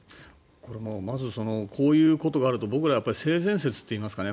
これ、まずこういうことがあると僕ら、性善説といいますかね